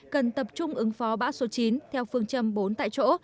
cần tập trung ứng phó bão số chín theo phương châm bốn tại chỗ